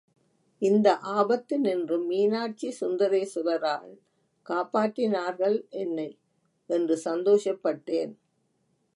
இந்த ஆபத்தினின்றும் மீனாட்சி சுந்தரேஸ்வராள் காப்பாற்றினார்கள் என்னை, என்று சந்தோஷப்பட்டேன்.